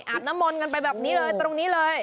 น้ำมนต์กันไปแบบนี้เลยตรงนี้เลย